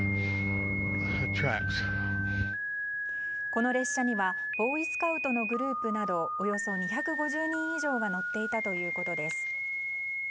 この列車にはボーイスカウトのグループなどおよそ２５０人以上が乗っていたということです。